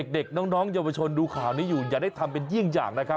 เด็กน้องเยาวชนดูข่าวนี้อยู่อย่าได้ทำเป็นเยี่ยงอย่างนะครับ